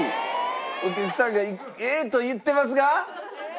お客さんが「え」と言ってますが。